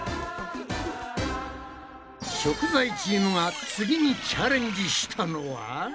食材チームが次にチャレンジしたのは？